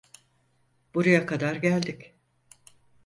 Buraya kadar geldik.